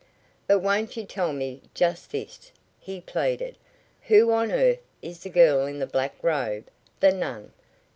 "But won't you tell me just this?" he pleaded. "Who on earth is the girl in the black robe the nun?